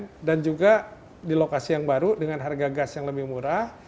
kemudian juga di lokasi yang baru dengan harga gas yang lebih murah